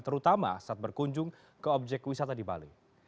terutama saat berkunjung ke objek wisata di bali